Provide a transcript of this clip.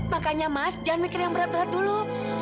makanya mas jangan mikir yang berat berat dulu